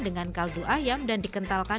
dengan kaldu ayam dan dikentalkan